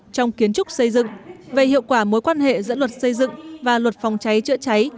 trong kiến trúc xây dựng về hiệu quả mối quan hệ giữa luật xây dựng và luật phòng cháy chữa cháy